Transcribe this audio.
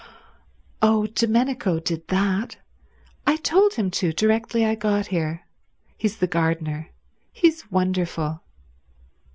"Oh, Domenico did that. I told him to directly I got here. He's the gardener. He's wonderful."